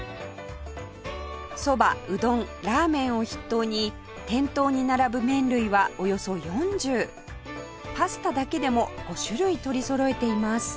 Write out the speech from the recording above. そばうどんラーメンを筆頭に店頭に並ぶ麺類はおよそ４０パスタだけでも５種類取りそろえています